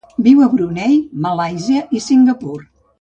Viu a Brunei, Malàisia i Singapur.